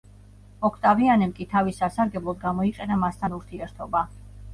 ოქტავიანემ კი თავის სასარგებლოდ გამოიყენა მასთან ურთიერთობა.